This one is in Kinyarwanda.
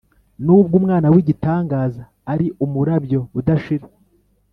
nubwo umwanya wigitangaza ari umurabyo udashira